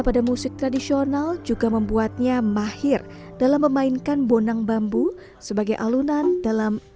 pada musik tradisional juga membuatnya mahir dalam memainkan bonang bambu sebagai alunan dalam